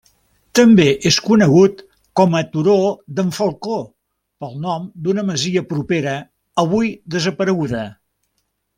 També és conegut com a Turó d'en Falcó, pel nom d'una masia propera, avui desapareguda.